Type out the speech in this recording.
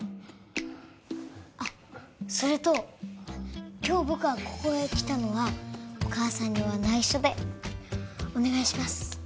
あっそれと今日僕がここへ来たのはお母さんには内緒でお願いします。